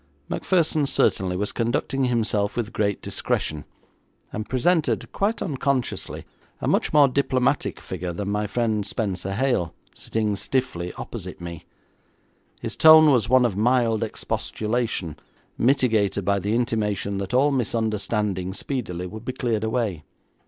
Macpherson certainly was conducting himself with great discretion, and presented, quite unconsciously, a much more diplomatic figure than my friend, Spenser Hale, sitting stiffly opposite me. His tone was one of mild expostulation, mitigated by the intimation that all misunderstanding speedily would be cleared away.